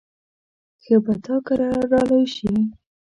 ښه به تا کره را لوی شي.